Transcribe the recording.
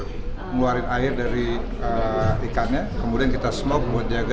kita ngeluarin air dari ikannya kemudian kita smop buat jaga